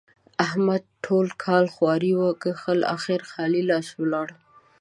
احمد ټول کال خواري وکښلې؛ اخېر خالي لاس ولاړ.